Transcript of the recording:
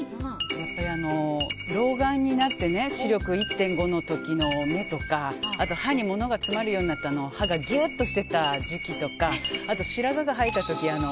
やっぱり老眼になって視力１．５の時の目とかあと歯に物が詰まるようになって歯がギュッとしてた時期とかあと、白髪が生えた時。